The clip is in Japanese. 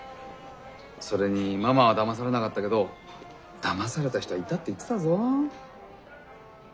それにママはだまされなかったけどだまされた人はいたって言ってたぞ。